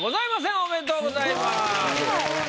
おめでとうございます。